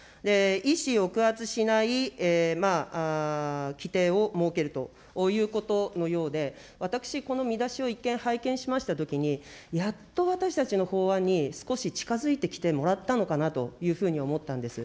意思抑圧しない規定を設けるということのようで、私、この見出しを一見、拝見しましたときに、やっと私たちの法案に少し近づいてきてもらったのかなというふうに思ったんです。